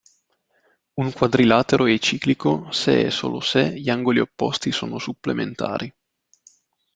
Un quadrilatero é ciclico se e solo se gli angoli opposti sono supplementari.